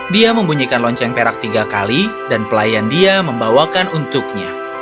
dia membunyikan lonceng perak tiga kali dan pelayan dia membawakan untuknya